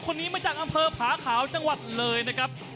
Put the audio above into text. คนนี้มาจากอำเภอผาขาวจังหวัดเลยนะครับ